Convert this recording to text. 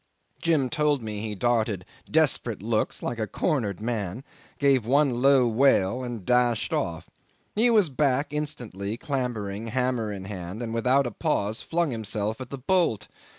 Jim told me he darted desperate looks like a cornered man, gave one low wail, and dashed off. He was back instantly clambering, hammer in hand, and without a pause flung himself at the bolt.